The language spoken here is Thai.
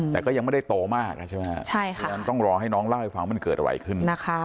แต่ก็ยังไม่ได้โตมากใช่ไหมครับฉะนั้นต้องรอให้น้องเล่าให้ฟังมันเกิดอะไรขึ้น